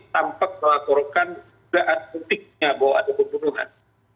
tanpa melaporkan da'at utiknya bahwa ada pembunuhan